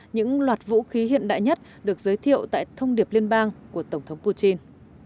những loạt vũ khí hiện đại nhất được giới thiệu tại thông điệp liên bang của tổng thống putin